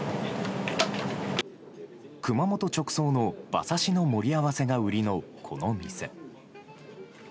熊本直送の馬刺しの盛り合わせが売りのこの店。